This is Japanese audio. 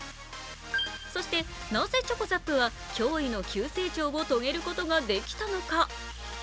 そして、なぜｃｈｏｃｏＺＡＰは驚異の急成長を遂げることができたのか。